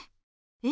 え？